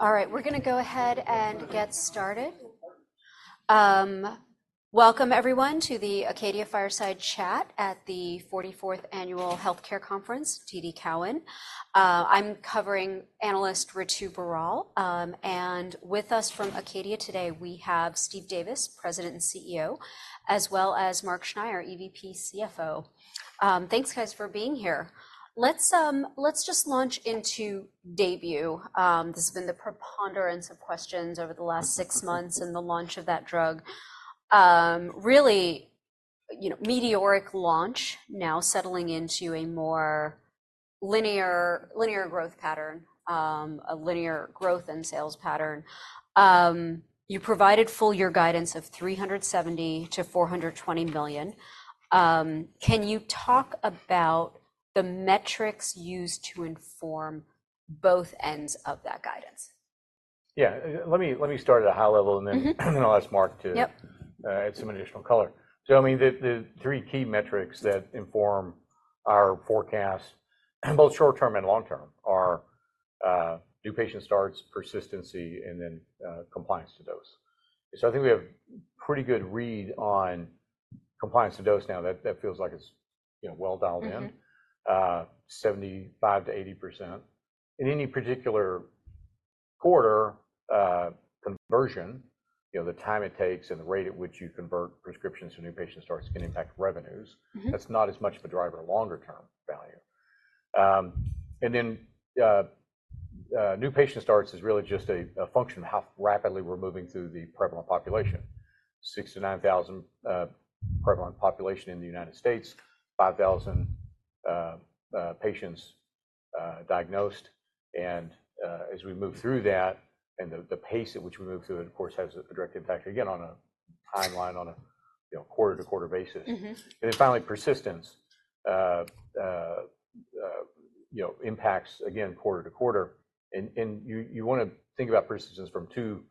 All right, we're going to go ahead and get started. Welcome everyone to the Acadia Fireside Chat at the 44th Annual Healthcare Conference, TD Cowen. I'm covering analyst Ritu Baral, and with us from Acadia today we have Steve Davis, President and CEO, as well as Mark Schneyer, EVP CFO. Thanks, guys, for being here. Let's just launch into DAYBUE. This has been the preponderance of questions over the last six months and the launch of that drug. Really, you know, meteoric launch now settling into a more linear growth pattern, a linear growth and sales pattern. You provided full year guidance of $370 million to $420 million. Can you talk about the metrics used to inform both ends of that guidance? Yeah, let me, let me start at a high level and then, then I'll ask Mark to add some additional color. So, I mean, the three key metrics that inform our forecast, both short-term and long-term, are new patient starts, persistency, and then compliance to dose. So I think we have a pretty good read on compliance to dose now. That feels like it's, you know, well dialed in, 75% to 80%. In any particular quarter, conversion, you know, the time it takes and the rate at which you convert prescriptions to new patient starts can impact revenues. That's not as much of a driver of longer-term value. And then, new patient starts is really just a function of how rapidly we're moving through the prevalent population. 6,000-9,000 prevalent population in the United States, 5,000 patients diagnosed. As we move through that, and the pace at which we move through it, of course, has a direct impact, again, on a timeline, on a, you know, quarter-to-quarter basis. And then finally, persistence, you know, impacts, again, quarter-to-quarter. And you want to think about persistence from 2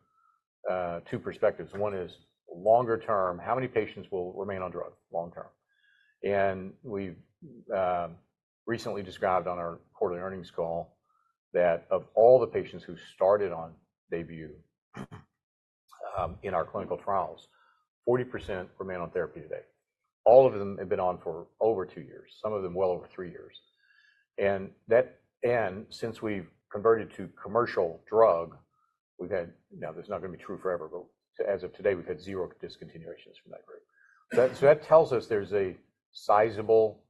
perspectives. One is longer-term, how many patients will remain on drugs long-term? And we've recently described on our quarterly earnings call that of all the patients who started on DAYBUE, in our clinical trials, 40% remain on therapy today. All of them have been on for over 2 years, some of them well over 3 years. And that, and since we've converted to commercial drug, we've had, now this is not going to be true forever, but as of today, we've had 0 discontinuations from that group. So that tells us there's a sizable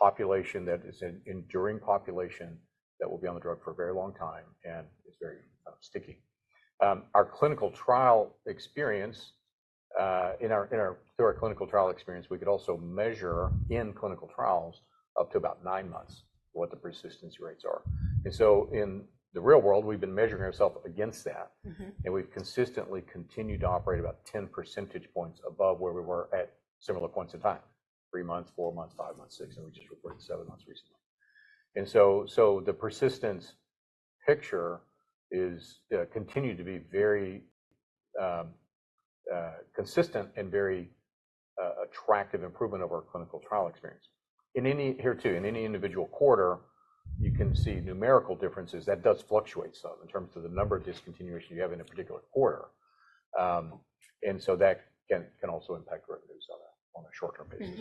population that is an enduring population that will be on the drug for a very long time, and it's very sticky. Our clinical trial experience, through our clinical trial experience, we could also measure in clinical trials up to about 9 months what the persistency rates are. So in the real world, we've been measuring ourselves against that, and we've consistently continued to operate about 10 percentage points above where we were at similar points in time, 3 months, 4 months, 5 months, 6 months, and we just reported 7 months recently. So the persistence picture is continued to be very consistent and very attractive improvement of our clinical trial experience. Here too, in any individual quarter, you can see numerical differences. That does fluctuate some in terms of the number of discontinuations you have in a particular quarter. And so that can also impact revenues on a short-term basis.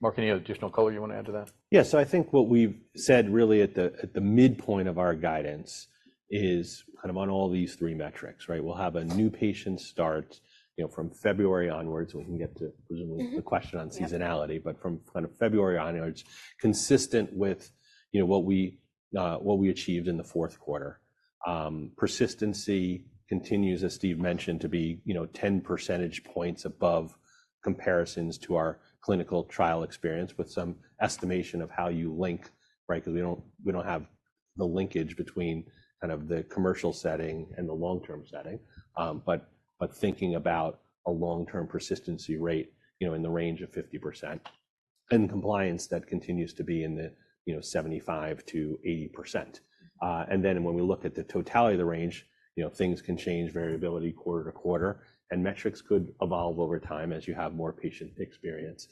Mark, any additional color you want to add to that? Yeah, so I think what we've said really at the midpoint of our guidance is kind of on all these three metrics, right? We'll have a new patient start, you know, from February onwards, and we can get to presumably the question on seasonality, but from kind of February onwards, consistent with, you know, what we achieved in the fourth quarter. Persistency continues, as Steve mentioned, to be, you know, 10 percentage points above comparisons to our clinical trial experience with some estimation of how you link, right? Because we don't, we don't have the linkage between kind of the commercial setting and the long-term setting. But thinking about a long-term persistency rate, you know, in the range of 50% and compliance that continues to be in the, you know, 75% to 80%. And then when we look at the totality of the range, you know, things can change variability quarter to quarter, and metrics could evolve over time as you have more patient experience,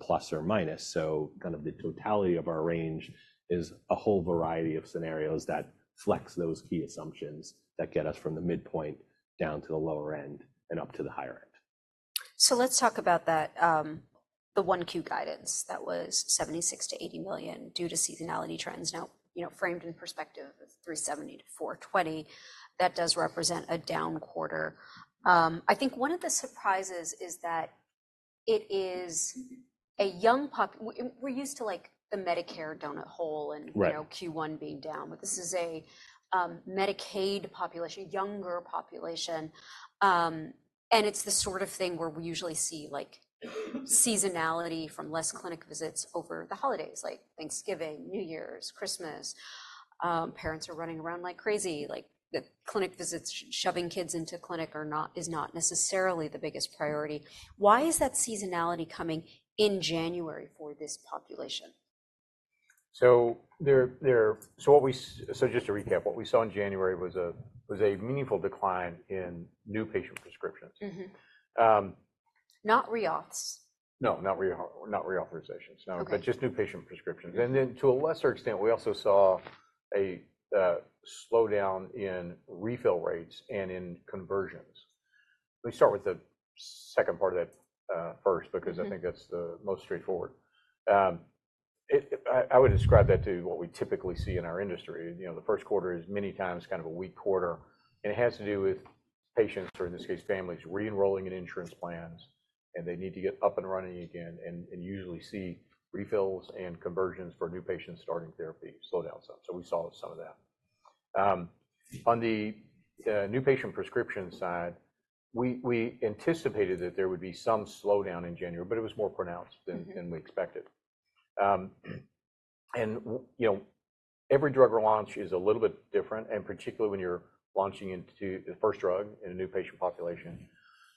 plus or minus. So kind of the totality of our range is a whole variety of scenarios that flex those key assumptions that get us from the midpoint down to the lower end and up to the higher end. So let's talk about that, the Q1 guidance that was $76 million to $80 million due to seasonality trends. Now, you know, framed in perspective of $370 million to $420 million, that does represent a down quarter. I think one of the surprises is that it is a young population. We're used to, like, the Medicare donut hole and, you know, Q1 being down, but this is a Medicaid population, younger population. And it's the sort of thing where we usually see, like, seasonality from less clinic visits over the holidays, like Thanksgiving, New Year's, Christmas. Parents are running around like crazy, like the clinic visits, shoving kids into clinic are not, is not necessarily the biggest priority. Why is that seasonality coming in January for this population? So, just to recap, what we saw in January was a meaningful decline in new patient prescriptions. not re-auths? No, not re-auth, not re-authorizations. No, but just new patient prescriptions. And then to a lesser extent, we also saw a slowdown in refill rates and in conversions. Let me start with the second part of that, first, because I think that's the most straightforward. I would describe that to what we typically see in our industry. You know, the first quarter is many times kind of a weak quarter, and it has to do with patients or, in this case, families re-enrolling in insurance plans, and they need to get up and running again and usually see refills and conversions for new patients starting therapy slow down some. So we saw some of that. On the new patient prescription side, we anticipated that there would be some slowdown in January, but it was more pronounced than we expected. You know, every drug launch is a little bit different, and particularly when you're launching into the first drug in a new patient population.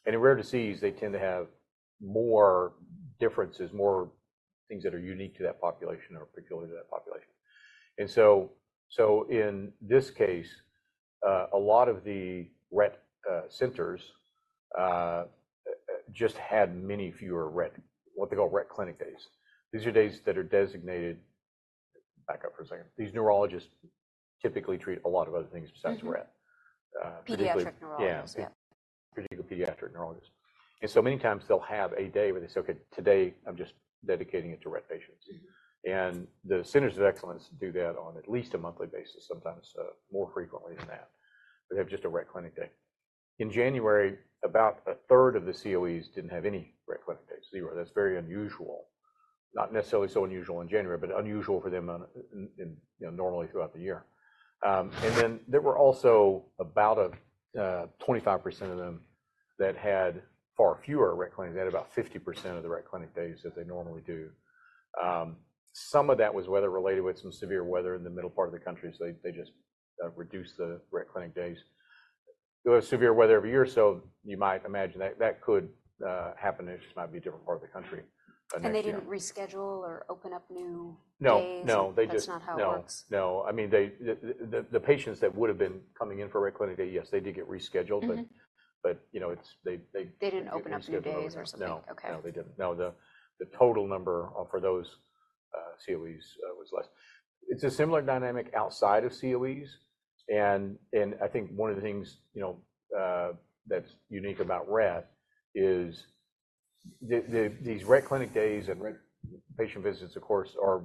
In rare disease, they tend to have more differences, more things that are unique to that population or particular to that population. So, so in this case, a lot of the Rett centers just had many fewer Rett, what they call Rett clinic days. These are days that are designated. Back up for a second, these neurologists typically treat a lot of other things besides Rett, particularly. Pediatric neurologists. Yeah, yeah. Particular pediatric neurologists. And so many times they'll have a day where they say, "Okay, today I'm just dedicating it to Rett patients." And the Centers of Excellence do that on at least a monthly basis, sometimes more frequently than that, but they have just a Rett clinic day. In January, about a third of the COEs didn't have any Rett clinic days, 0. That's very unusual. Not necessarily so unusual in January, but unusual for them on, in, you know, normally throughout the year. And then there were also about a 25% of them that had far fewer Rett clinics, they had about 50% of the Rett clinic days that they normally do. Some of that was weather related with some severe weather in the middle part of the country, so they just reduced the Rett clinic days. There was severe weather every year, so you might imagine that could happen. It just might be a different part of the country next year. They didn't reschedule or open up new days? No, no, they just. That's not how it works? No, no. I mean, the patients that would have been coming in for a Rett clinic day, yes, they did get rescheduled, but you know, it's they, they. They didn't open up new days or something? No, no, they didn't. No, the total number for those COEs was less. It's a similar dynamic outside of COEs. And I think one of the things, you know, that's unique about Rett is the these Rett clinic days and Rett patient visits, of course, are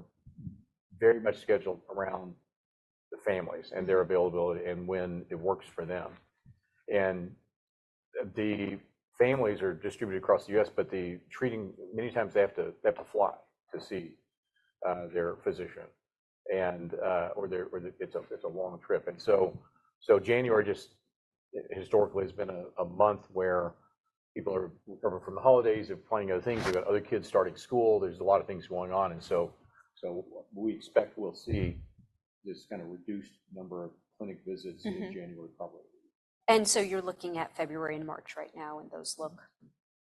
very much scheduled around the families and their availability and when it works for them. And the families are distributed across the U.S., but the treating, many times they have to fly to see their physician. And, or they're, or it's a long trip. And so January just historically has been a month where people are recovering from the holidays, they're planning other things, they've got other kids starting school, there's a lot of things going on. So we expect we'll see this kind of reduced number of clinic visits in January probably. So you're looking at February and March right now, and those look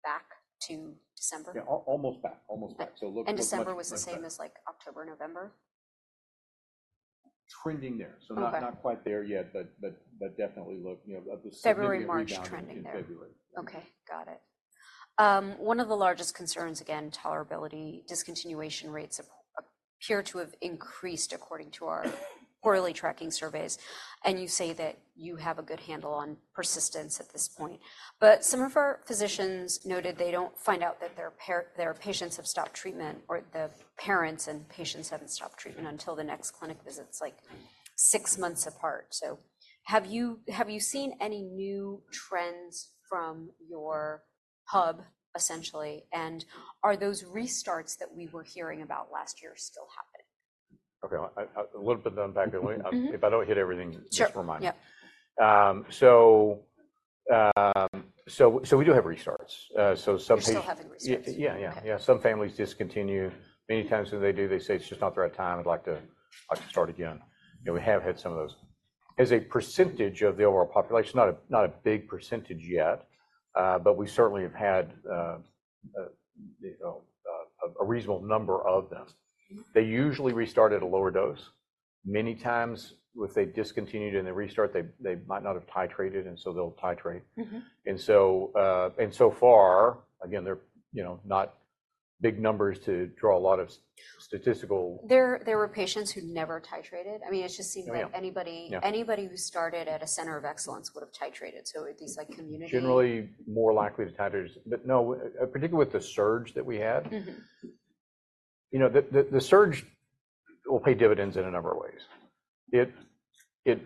back to December? Yeah, almost back, almost back. So look, look back. December was the same as like October or November? Trending there. So not quite there yet, but definitely look, you know, the same thing again in February. February-March trending there? Okay, got it. One of the largest concerns, again, tolerability, discontinuation rates appear to have increased according to our quarterly tracking surveys. And you say that you have a good handle on persistence at this point. But some of our physicians noted they don't find out that their parent, their patients have stopped treatment or the parents and patients haven't stopped treatment until the next clinic visit, it's like six months apart. So have you, have you seen any new trends from your hub, essentially? And are those restarts that we were hearing about last year still happening? Okay, a little bit of that background. If I don't hit everything, just remind me. So we do have restarts. So some patients. You're still having restarts? Yeah, yeah, yeah. Some families discontinue. Many times when they do, they say it's just not the right time. I'd like to, I'd like to start again. You know, we have had some of those. As a percentage of the overall population, not a, not a big percentage yet, but we certainly have had, you know, a reasonable number of them. They usually restart at a lower dose. Many times if they discontinued and they restart, they, they might not have titrated, and so they'll titrate. And so, and so far, again, they're, you know, not big numbers to draw a lot of statistical. There, there were patients who never titrated. I mean, it just seemed like anybody, anybody who started at a Center of Excellence would have titrated. So it'd be like community. Generally more likely to titrate. But no, particularly with the surge that we had, you know, the surge will pay dividends in a number of ways. It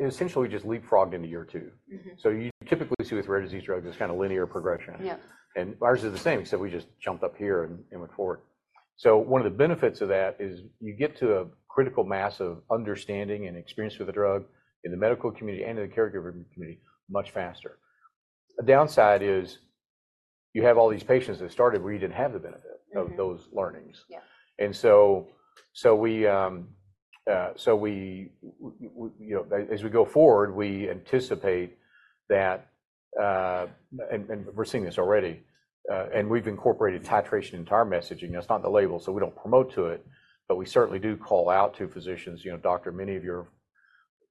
essentially we just leapfrogged into year two. So you typically see with rare disease drugs, it's kind of linear progression. And ours is the same. So we just jumped up here and went forward. So one of the benefits of that is you get to a critical mass of understanding and experience with the drug in the medical community and in the caregiver community much faster. A downside is you have all these patients that started where you didn't have the benefit of those learnings. And so we, you know, as we go forward, we anticipate that, and we're seeing this already. And we've incorporated titration into our messaging. That's not the label, so we don't promote to it. But we certainly do call out to physicians, you know, doctor, many of your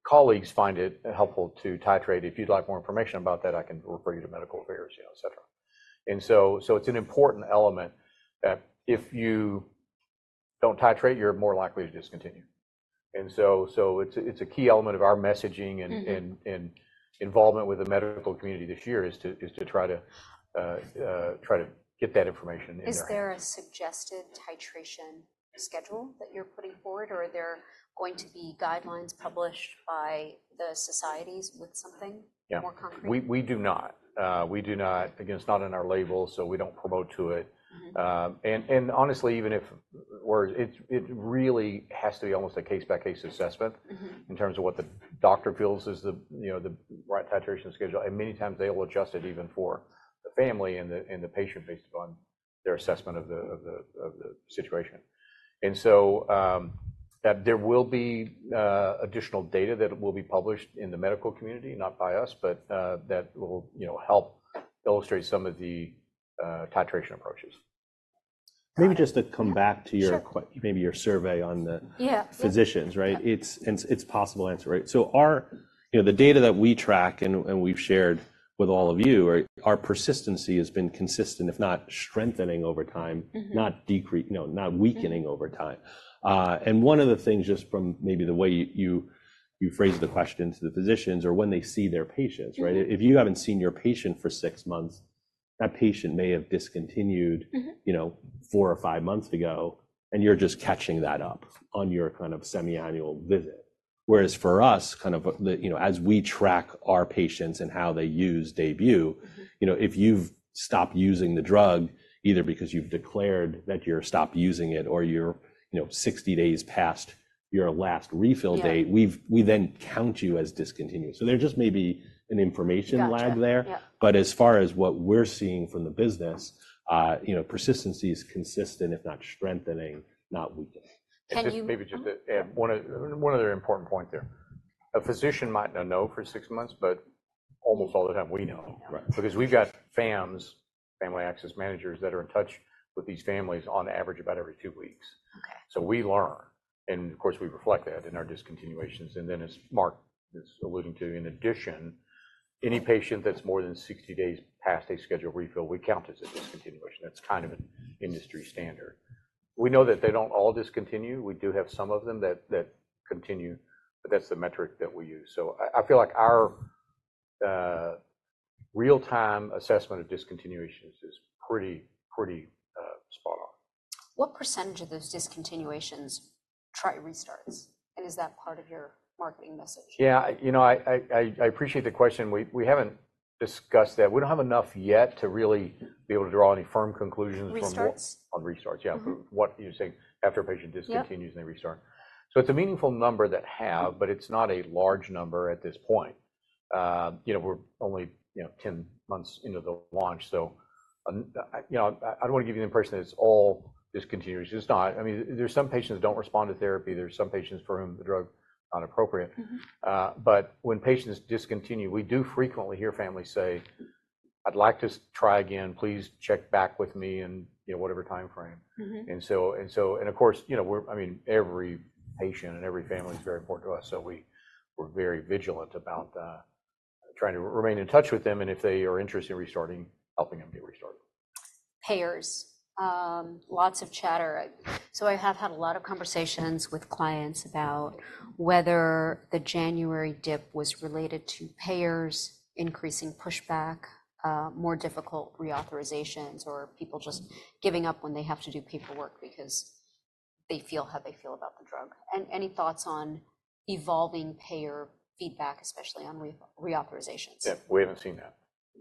colleagues find it helpful to titrate. If you'd like more information about that, I can refer you to medical affairs, you know, etc. And so it's an important element that if you don't titrate, you're more likely to discontinue. And so it's a key element of our messaging and involvement with the medical community this year is to try to get that information in there. Is there a suggested titration schedule that you're putting forward, or are there going to be guidelines published by the societies with something more concrete? We do not. Again, it's not in our label, so we don't promote to it. And honestly, even if it really has to be almost a case-by-case assessment in terms of what the doctor feels is, you know, the right titration schedule. And many times they will adjust it even for the family and the patient based upon their assessment of the situation. And so, there will be additional data that will be published in the medical community, not by us, but that will, you know, help illustrate some of the titration approaches. Maybe just to come back to your question, maybe your survey on the physicians, right? It's, it's possible answer, right? So our, you know, the data that we track and, and we've shared with all of you, our persistency has been consistent, if not strengthening over time, not decreasing, no, not weakening over time. And one of the things just from maybe the way you, you, you phrase the question to the physicians or when they see their patients, right? If you haven't seen your patient for six months, that patient may have discontinued, you know, four or five months ago, and you're just catching that up on your kind of semiannual visit. Whereas for us, kind of the, you know, as we track our patients and how they use DAYBUE, you know, if you've stopped using the drug, either because you've declared that you're stopped using it or you're, you know, 60 days past your last refill date, we then count you as discontinued. So there just may be an information lag there. But as far as what we're seeing from the business, you know, persistency is consistent, if not strengthening, not weakening. Can you? Maybe just to add one other important points there. A physician might not know for six months, but almost all the time we know, right? Because we've got FAMs, family access managers that are in touch with these families on average about every two weeks. So we learn. And of course, we reflect that in our discontinuations. And then as Mark is alluding to, in addition, any patient that's more than 60 days past a scheduled refill, we count as a discontinuation. That's kind of an industry standard. We know that they don't all discontinue. We do have some of them that continue, but that's the metric that we use. So I feel like our real-time assessment of discontinuations is pretty spot on. What percentage of those discontinuations try restarts? Is that part of your marketing message? Yeah, you know, I appreciate the question. We haven't discussed that. We don't have enough yet to really be able to draw any firm conclusions from what. Restarts? On restarts, yeah. What you're saying after a patient discontinues and they restart. So it's a meaningful number that have, but it's not a large number at this point. You know, we're only, you know, 10 months into the launch. So, you know, I don't want to give you the impression that it's all discontinuations. It's not. I mean, there's some patients that don't respond to therapy. There's some patients for whom the drug is not appropriate. But when patients discontinue, we do frequently hear families say, "I'd like to try again. Please check back with me in, you know, whatever timeframe." And so, and so, of course, you know, we're, I mean, every patient and every family is very important to us. So we, we're very vigilant about trying to remain in touch with them. And if they are interested in restarting, helping them get restarted. Payers, lots of chatter. So I have had a lot of conversations with clients about whether the January dip was related to payers increasing pushback, more difficult reauthorizations, or people just giving up when they have to do paperwork because they feel how they feel about the drug. And any thoughts on evolving payer feedback, especially on reauthorizations? Yeah, we haven't seen that.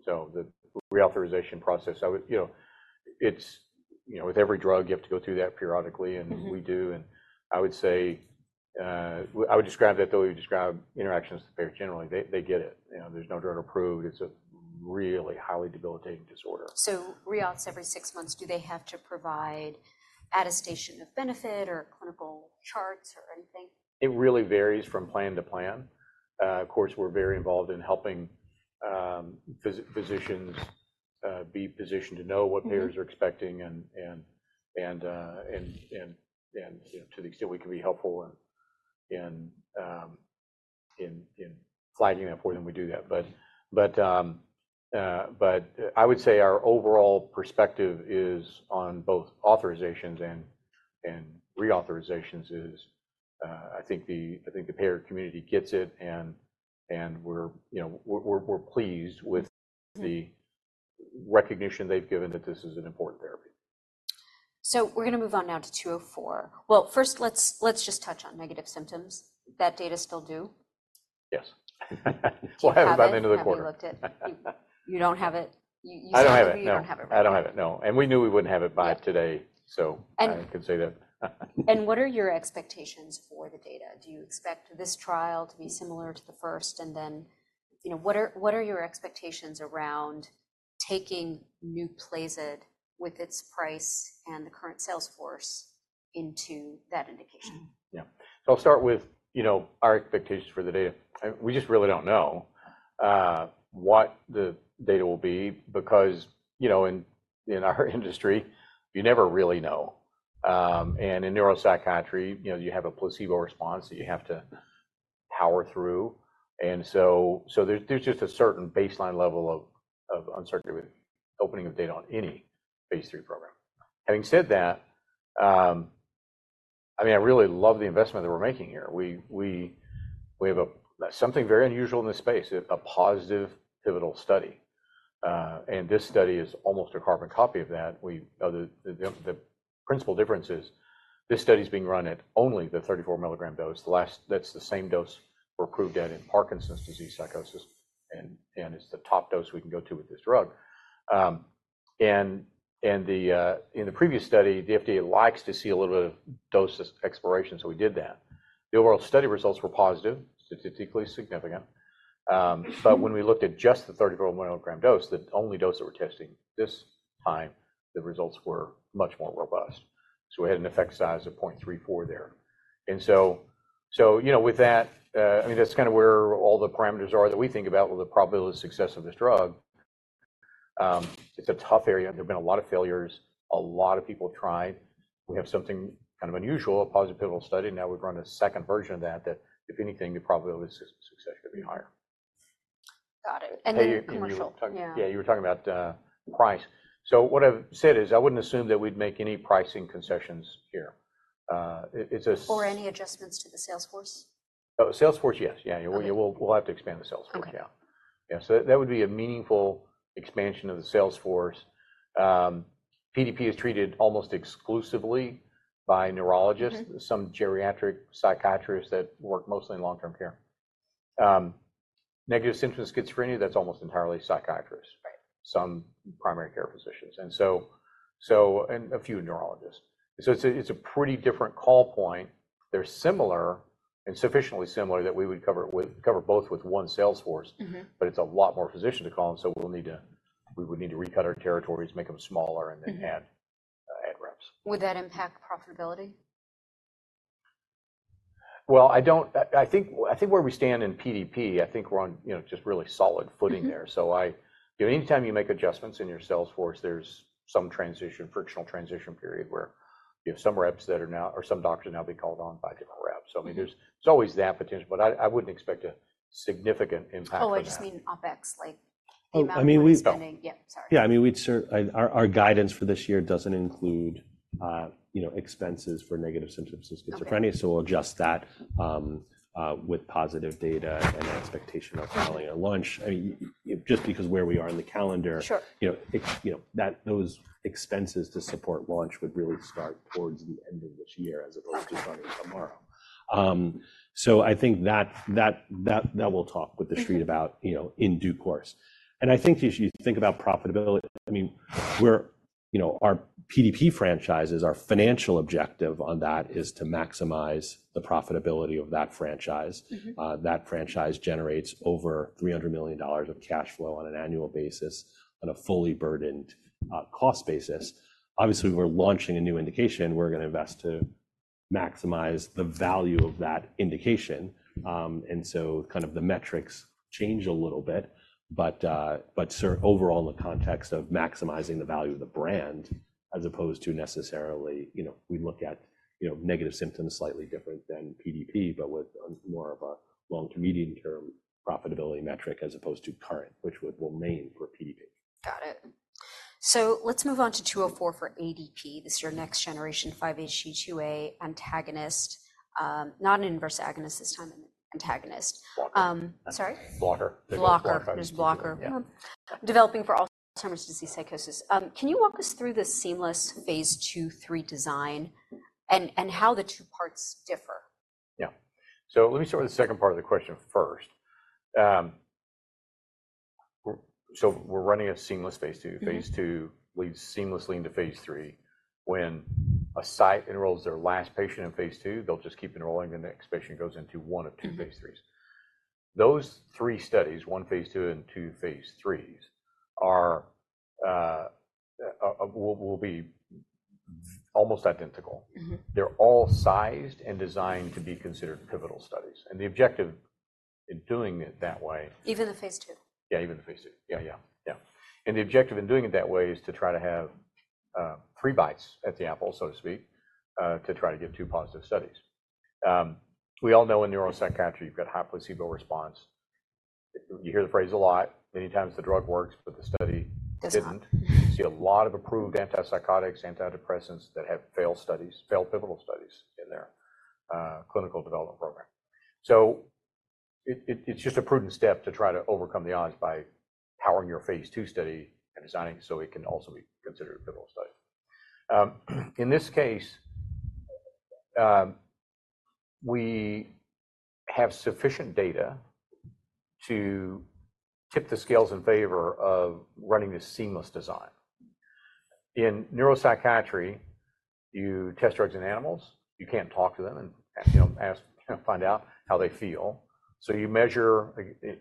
So the reauthorization process, I would, you know, it's, you know, with every drug, you have to go through that periodically, and we do. And I would say, I would describe that the way we describe interactions with the payer generally, they, they get it. You know, there's no drug approved. It's a really highly debilitating disorder. Reauths every six months, do they have to provide attestation of benefit or clinical charts or anything? It really varies from plan to plan. Of course, we're very involved in helping physicians be positioned to know what payers are expecting and, you know, to the extent we can be helpful in flagging that for them, we do that. But I would say our overall perspective is on both authorizations and reauthorizations. I think the payer community gets it and we're, you know, pleased with the recognition they've given that this is an important therapy. So we're going to move on now to 204. Well, first, let's just touch on negative symptoms. That data still do? Yes. We'll have it by the end of the quarter. You looked at. You don't have it? You said you don't have it right now. I don't have it, no. And we knew we wouldn't have it by today. So I can say that. What are your expectations for the data? Do you expect this trial to be similar to the first? Then, you know, what are your expectations around taking NUPLAZID with its price and the current sales force into that indication? Yeah. So I'll start with, you know, our expectations for the data. We just really don't know what the data will be because, you know, in our industry, you never really know. In neuropsychiatry, you know, you have a placebo response that you have to power through. So there's just a certain baseline level of uncertainty with opening of data on any phase 3 program. Having said that, I mean, I really love the investment that we're making here. We have something very unusual in this space, a positive pivotal study. This study is almost a carbon copy of that. The principal difference is this study is being run at only the 34 milligram dose. That's the same dose we're approved at in Parkinson's disease psychosis. It's the top dose we can go to with this drug. In the previous study, the FDA likes to see a little bit of dose exploration. So we did that. The overall study results were positive, statistically significant. But when we looked at just the 34-milligram dose, the only dose that we're testing this time, the results were much more robust. So we had an effect size of 0.34 there. So, you know, with that, I mean, that's kind of where all the parameters are that we think about with the probability of success of this drug. It's a tough area. There've been a lot of failures. A lot of people tried. We have something kind of unusual, a positive pivotal study. Now we've run a second version of that that if anything, the probability of success could be higher. Got it. And then commercial. Yeah, you were talking about price. So what I've said is I wouldn't assume that we'd make any pricing concessions here. It's a. Or any adjustments to the Sales force? Oh, sales force, yes. Yeah, we'll have to expand the sales force. Yeah. Yeah. So that would be a meaningful expansion of the sales force. PDP is treated almost exclusively by neurologists, some geriatric psychiatrists that work mostly in long-term care. Negative symptoms schizophrenia, that's almost entirely psychiatrists, some primary care physicians. And so, and a few neurologists. So it's a pretty different call point. They're similar and sufficiently similar that we would cover both with one sales force, but it's a lot more physicians to call on. So we'll need to, we would need to recut our territories, make them smaller, and then add reps. Would that impact profitability? Well, I don't, I think, I think where we stand in PDP, I think we're on, you know, just really solid footing there. So I, you know, anytime you make adjustments in your sales force, there's some transition, frictional transition period where you have some reps that are now, or some doctors now be called on by different reps. So I mean, there's, it's always that potential, but I, I wouldn't expect a significant impact on that. Oh, I just mean OpEx, like amount of spending. Yep. Sorry. Yeah. I mean, we'd certainly, our guidance for this year doesn't include, you know, expenses for negative symptoms of schizophrenia. So we'll adjust that, with positive data and expectation of following a launch. I mean, just because where we are in the calendar, you know, that those expenses to support launch would really start towards the end of this year as opposed to starting tomorrow. So I think that we'll talk with the street about, you know, in due course. And I think if you think about profitability, I mean, we're, you know, our PDP franchises, our financial objective on that is to maximize the profitability of that franchise. That franchise generates over $300 million of cash flow on an annual basis on a fully burdened, cost basis. Obviously, we're launching a new indication. We're going to invest to maximize the value of that indication. And so kind of the metrics change a little bit, but, but overall in the context of maximizing the value of the brand as opposed to necessarily, you know, we look at, you know, negative symptoms slightly different than PDP, but with more of a long-to-medium term profitability metric as opposed to current, which would remain for PDP. Got it. So let's move on to 204 for ADP. This is your next generation 5-HT2A antagonist, not an inverse agonist this time, an antagonist. Sorry. Blocker. ACP-204. There's ACP-204 developing for Alzheimer's disease psychosis. Can you walk us through the seamless phase 2/3 design and, and how the two parts differ? Yeah. So let me start with the second part of the question first. So we're running a seamless phase two. Phase two leads seamlessly into phase three. When a site enrolls their last patient in phase two, they'll just keep enrolling. The next patient goes into one of two phase threes. Those three studies, one phase two and two phase threes, are, will be almost identical. They're all sized and designed to be considered pivotal studies. And the objective in doing it that way. Even the phase 2. Yeah, even the phase 2. Yeah, yeah, yeah. And the objective in doing it that way is to try to have 3 bites at the apple, so to speak, to try to get 2 positive studies. We all know in neuropsychiatry, you've got high placebo response. You hear the phrase a lot. Many times the drug works, but the study didn't. You see a lot of approved antipsychotics, antidepressants that have failed studies, failed pivotal studies in their clinical development program. So it's just a prudent step to try to overcome the odds by powering your phase 2 study and designing it so it can also be considered a pivotal study. In this case, we have sufficient data to tip the scales in favor of running this seamless design. In neuropsychiatry, you test drugs in animals. You can't talk to them and, you know, ask, find out how they feel. So you measure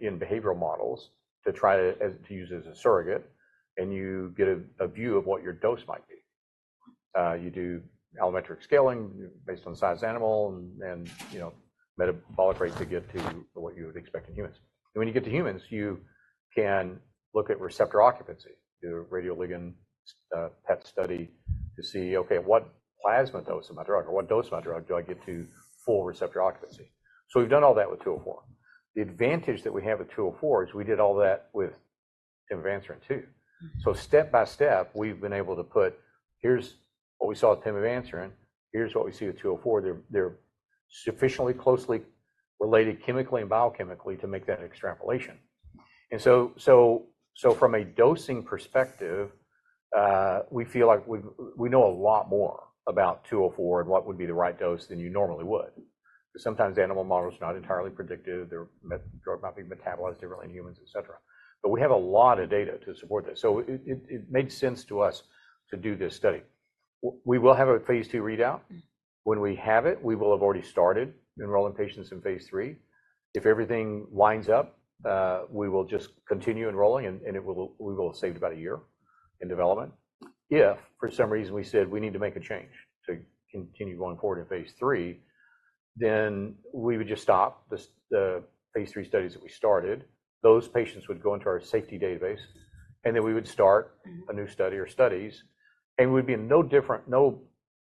in behavioral models to try to use as a surrogate. And you get a view of what your dose might be. You do allometric scaling based on the size of the animal and, you know, metabolic rate to get to what you would expect in humans. And when you get to humans, you can look at receptor occupancy, do a radioligand, PET study to see, okay, at what plasma dose of my drug or what dose of my drug do I get to full receptor occupancy? So we've done all that with 204. The advantage that we have with 204 is we did all that with Tim Aventurin too. So step by step, we've been able to put, here's what we saw with Tim Aventurin. Here's what we see with 204. They're, they're sufficiently closely related chemically and biochemically to make that extrapolation. So from a dosing perspective, we feel like we know a lot more about 204 and what would be the right dose than you normally would. Because sometimes the animal model is not entirely predictive. Their drug might be metabolized differently in humans, etc. But we have a lot of data to support that. So it made sense to us to do this study. We will have a phase 2 readout. When we have it, we will have already started enrolling patients in phase 3. If everything lines up, we will just continue enrolling and we will have saved about a year in development. If for some reason we said we need to make a change to continue going forward in phase 3, then we would just stop the phase 3 studies that we started. Those patients would go into our safety database. And then we would start a new study or studies. And we'd be in no different, no,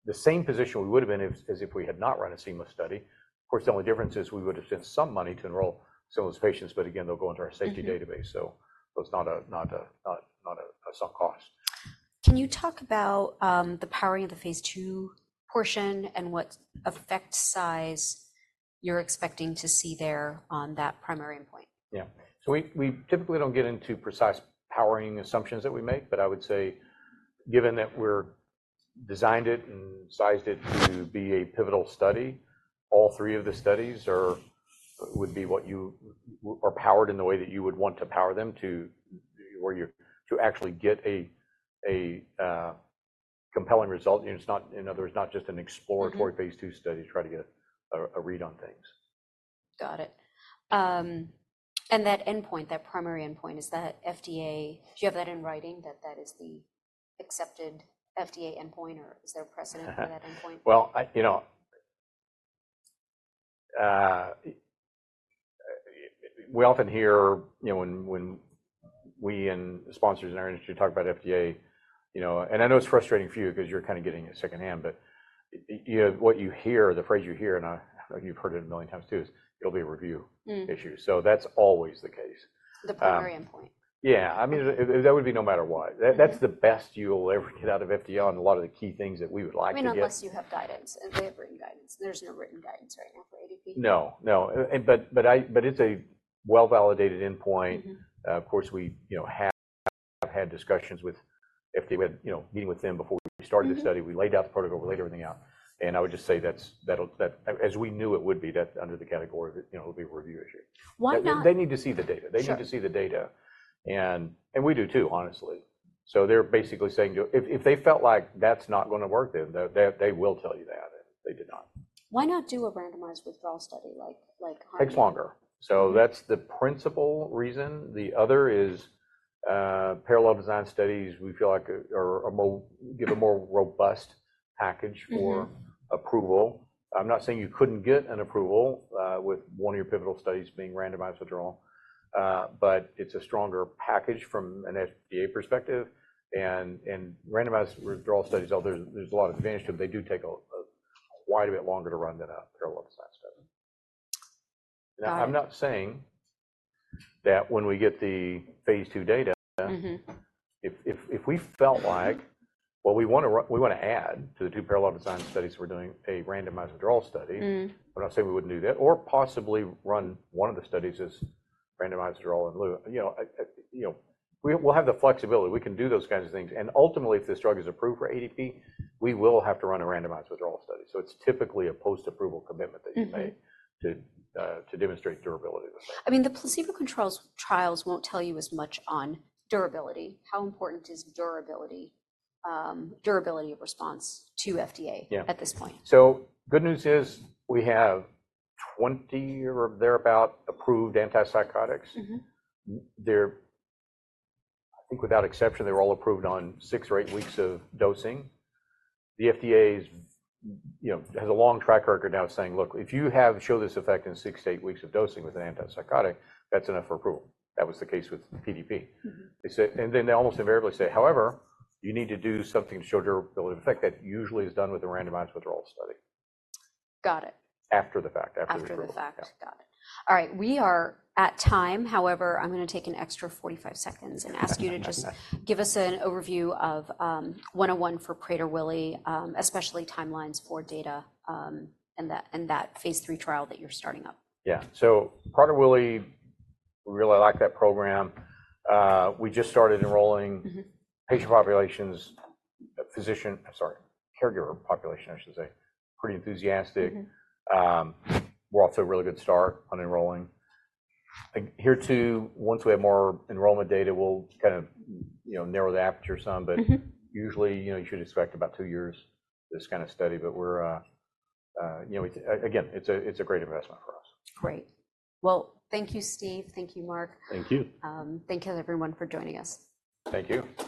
the same position we would have been as if we had not run a seamless study. Of course, the only difference is we would have spent some money to enroll some of those patients, but again, they'll go into our safety database. So it's not a, not a, not, not a sunk cost. Can you talk about the powering of the phase 2 portion and what effect size you're expecting to see there on that primary endpoint? Yeah. So we typically don't get into precise powering assumptions that we make, but I would say given that we're designed it and sized it to be a pivotal study, all three of the studies would be what you are powered in the way that you would want to power them to, where you're to actually get a compelling result. You know, it's not, in other words, not just an exploratory phase 2 study to try to get a read on things. Got it. And that endpoint, that primary endpoint, is that FDA, do you have that in writing, that that is the accepted FDA endpoint, or is there a precedent for that endpoint? Well, you know, we often hear, you know, when we and sponsors in our industry talk about FDA, you know, and I know it's frustrating for you because you're kind of getting it secondhand, but you know, what you hear, the phrase you hear, and I don't know if you've heard it a million times too, is it'll be a review issue. So that's always the case. The primary endpoint. Yeah. I mean, that would be no matter what. That's the best you'll ever get out of FDA on a lot of the key things that we would like to get. I mean, unless you have guidance and they have written guidance. There's no written guidance right now for ADP. No, no. But it's a well-validated endpoint. Of course, we, you know, have had discussions with FDA, you know, meeting with them before we started this study. We laid out the protocol, we laid everything out. And I would just say that's, as we knew it would be, that's under the category of it, you know, it'll be a review issue. Why not? They need to see the data. They need to see the data. And we do too, honestly. So they're basically saying to, if they felt like that's not going to work then, they will tell you that. They did not. Why not do a randomized withdrawal study like, like? Takes longer. So that's the principal reason. The other is, parallel design studies, we feel like are given a more robust package for approval. I'm not saying you couldn't get an approval, with one of your pivotal studies being randomized withdrawal. But it's a stronger package from an FDA perspective. And randomized withdrawal studies, although there's a lot of advantage to them, they do take quite a bit longer to run than a parallel design study. Now, I'm not saying that when we get the phase 2 data, if we felt like, well, we want to run, we want to add to the 2 parallel design studies that we're doing a randomized withdrawal study, I'm not saying we wouldn't do that, or possibly run one of the studies as randomized withdrawal in lieu, you know, you know, we'll have the flexibility. We can do those kinds of things. Ultimately, if this drug is approved for ADP, we will have to run a randomized withdrawal study. It's typically a post-approval commitment that you make to demonstrate durability of the study. I mean, the placebo controls trials won't tell you as much on durability. How important is durability, durability of response to FDA at this point? Yeah. So good news is we have 20 or thereabout approved antipsychotics. They're, I think without exception, they were all approved on 6 or 8 weeks of dosing. The FDA's, you know, has a long track record now saying, look, if you have shown this effect in 6-8 weeks of dosing with an antipsychotic, that's enough for approval. That was the case with PDP. They say, and then they almost invariably say, however, you need to do something to show durability of effect. That usually is done with a randomized withdrawal study. Got it. After the fact, after the approval. After the fact. Got it. All right. We are at time. However, I'm going to take an extra 45 seconds and ask you to just give us an overview of 101 for Prader-Willi, especially timelines for data, and that, and that phase 3 trial that you're starting up. Yeah. So Prader-Willi, we really like that program. We just started enrolling patient populations, physician, I'm sorry, caregiver population, I should say, pretty enthusiastic. We're off to a really good start on enrolling. Here too, once we have more enrollment data, we'll kind of, you know, narrow the aperture some, but usually, you know, you should expect about two years this kind of study, but we're, you know, again, it's a, it's a great investment for us. Great. Well, thank you, Steve. Thank you, Mark. Thank you. Thank you to everyone for joining us. Thank you.